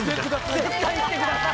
絶対してください。